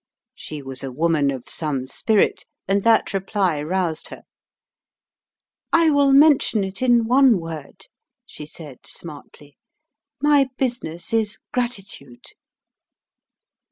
She was a woman of some spirit, and that reply roused her. "I will mention it in one word," she said, smartly." My business is gratitude."